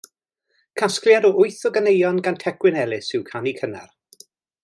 Casgliad o wyth o ganeuon gan Tecwyn Ellis yw Canu Cynnar.